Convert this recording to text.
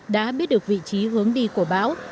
đã biết được vị trí hướng đi của bão